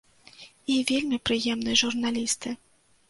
І вельмі прыемныя журналісты.